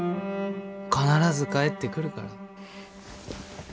必ず帰ってくるから。